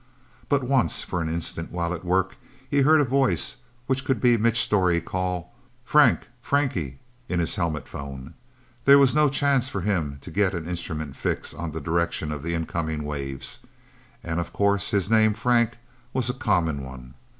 But once, for an instant, while at work, he heard a voice which could be Mitch Storey's, call "Frank! Frankie!" in his helmet phone. There was no chance for him to get an instrument fix on the direction of the incoming waves. And of course his name, Frank, was a common one.